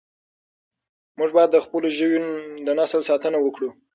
موږ باید د خپلو ژویو د نسل ساتنه وکړو.